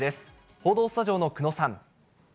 報道スタジオの久野さん。